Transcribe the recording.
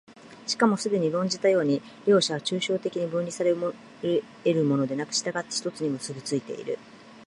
しかもすでに論じたように、両者は抽象的に分離され得るものでなく、却って一つに結び付いている。